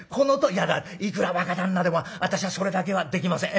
「いやいくら若旦那でも私はそれだけはできません。